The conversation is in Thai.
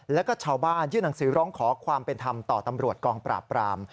แล้วก็ชาวบ้านยื่นหนังสือร้องขอความเป็นธรรมต่อตำรวจกองปราบปราม